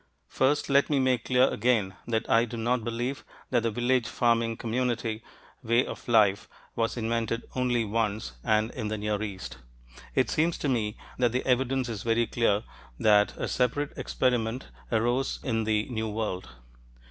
First, let me make clear again that I do not believe that the village farming community way of life was invented only once and in the Near East. It seems to me that the evidence is very clear that a separate experiment arose in the New World.